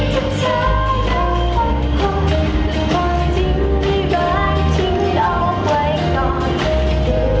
แต่จำที่วันที่พ่อยเบิ้ลปล่อยให้จับทุกสิ่ง